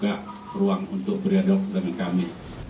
kita tidak ada ruang untuk berada di tempat kami